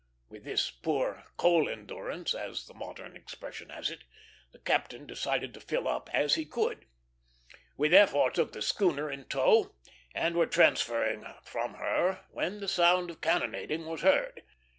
With this poor "coal endurance," as the modern expression has it, the captain decided to fill up as he could. We therefore took the schooner in tow, and were transferring from her, when the sound of cannonading was heard.